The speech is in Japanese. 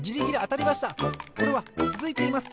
これはつづいています！